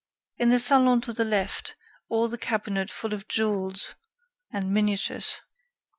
In the salon to the left, all the cabinet full of jewels and miniatures.